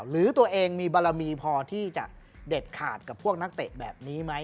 หรือตัวเองมีบารมีพอที่จะเด็ดขาดกับพวกนักเตะแบบนี้ไหม